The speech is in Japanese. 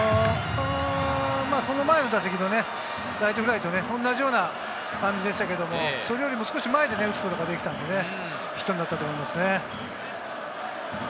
その前の打席のね、ライトフライと同じような感じでしたけど、それよりも少し前で打つことができたのでヒットになったと思いますね。